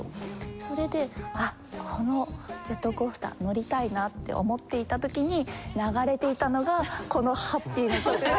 それで「あっこのジェットコースター乗りたいな」って思っていた時に流れていたのがこの『ハッピー』の曲なんですよ。